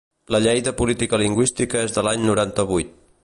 La llei de política lingüística és de l'any noranta-vuit.